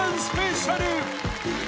スペシャル